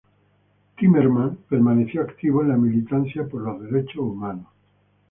Timerman permaneció activo en la militancia por los derechos humanos.